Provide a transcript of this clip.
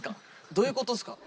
どういうことっすか？